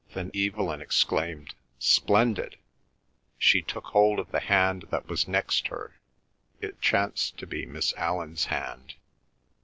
Then Evelyn exclaimed, "Splendid!" She took hold of the hand that was next her; it chanced to be Miss Allan's hand.